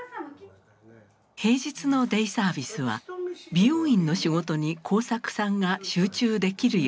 平日のデイサービスは美容院の仕事に耕作さんが集中できるように。